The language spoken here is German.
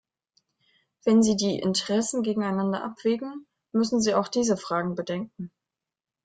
Wenn Sie die Interessen gegeneinander abwägen, müssen Sie auch diese Fragen bedenken.